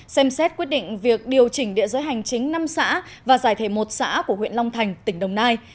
xem xét quyết định việc điều chỉnh địa giới hành chính năm xã và giải thể một xã của huyện long thành tỉnh đồng nai